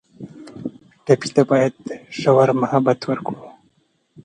ټپي ته باید ژور محبت ورکړو.